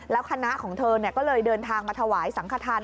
แล้วคณะของเธอก็เลยเดินทางมาถวายสังขทาน